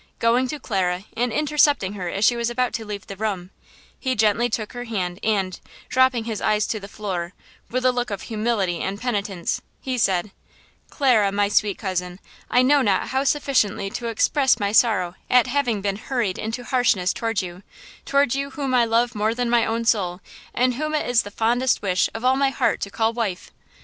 Going to Clara and intercepting her as she was about to leave the room, he gently took her hand and, dropping his eyes to the floor with a look of humility and penitence, he said: "Clara, my sweet cousin, I know not how sufficiently to express my sorrow at having been hurried into harshness toward you–toward you whom I love more than my own soul and whom it is the fondest wish of my heart to call wife.